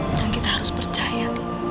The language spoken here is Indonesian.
dan kita harus percaya